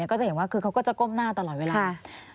ก็จะเห็นว่าคือเขาก็จะก้มหน้าตลอดเวลา